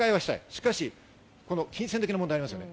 しかし金銭的な問題がありますね。